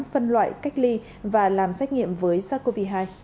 phân loại cách ly và làm xét nghiệm với sars cov hai